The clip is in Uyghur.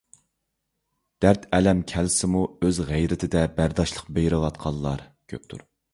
دەرت ئەلەم كەلسىمۇ ئۆز غەيرىتدە بەرداشلىق بىرۋاتقانلار كۆپتۇر